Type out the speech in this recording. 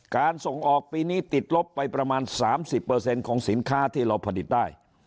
ส่งออกปีนี้ติดลบไปประมาณ๓๐ของสินค้าที่เราผลิตได้